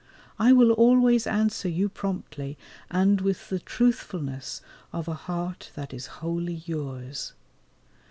I will always answer you promptly, and with the truthfulness of a heart that is wholly yours.